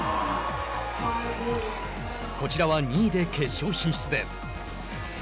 こちらは２位で決勝進出です。